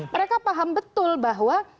mereka paham betul bahwa